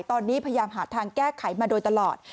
ตอนนี้พยายามหาทางแก้ไขมาโดยตลอด